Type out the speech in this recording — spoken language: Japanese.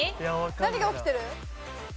何が起きてる？